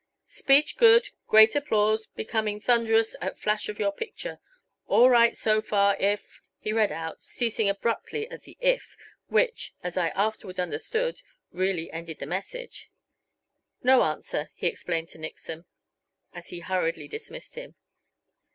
"'Speech good great applause becoming thunderous at flash of your picture. All right so far if '" he read out, ceasing abruptly at the "if" which, as I afterward understood, really ended the message. "No answer," he explained to Nixon as he hurriedly, dismissed him.